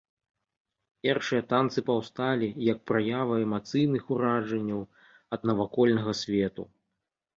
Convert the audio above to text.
Першыя танцы паўсталі, як праява эмацыйных уражанняў ад навакольнага свету.